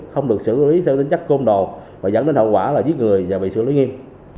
không được xử lý theo tính chất côn đồ và dẫn đến hậu quả là giết người và bị xử lý nghiêm